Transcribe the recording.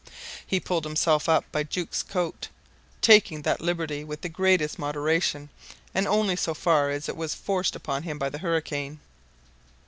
He pulled himself up by Jukes' coat, taking that liberty with the greatest moderation, and only so far as it was forced upon him by the hurricane.